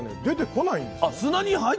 出てこないんですよ。